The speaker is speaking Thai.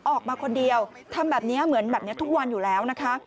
ออกมาคนเดียวทำแบบนี้เหมือนแบบนี้ทุกวันอยู่แล้วนะคะ